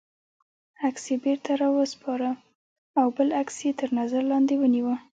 عکس یې بېرته را و سپاره او بل عکس یې تر نظر لاندې ونیوه.